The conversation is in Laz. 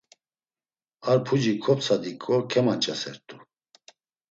Ar puci koptsadiǩo kemanç̌aset̆u.